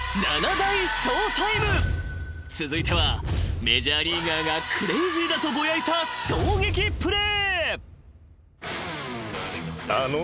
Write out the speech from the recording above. ［続いてはメジャーリーガーがクレイジーだとぼやいた衝撃プレー］